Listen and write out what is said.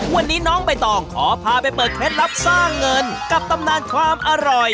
วันนี้น้องใบตองขอพาไปเปิดเคล็ดลับสร้างเงินกับตำนานความอร่อย